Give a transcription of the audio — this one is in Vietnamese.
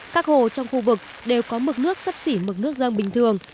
các hồ trong khu vực đều có mực nước sấp xỉ mực nước dân bình thường